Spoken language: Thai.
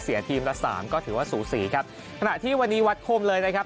ทีมละสามก็ถือว่าสูสีครับขณะที่วันนี้วัดคมเลยนะครับ